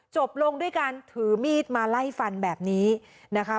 จบลงด้วยการถือมีดมาไล่ฟันแบบนี้นะคะ